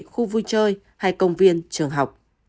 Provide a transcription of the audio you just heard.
khu vui chơi hay công viên trường học